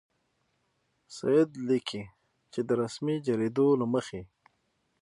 سید لیکي چې د رسمي جریدو له مخې.